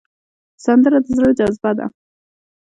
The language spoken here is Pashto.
سندره د زړه جذبه ده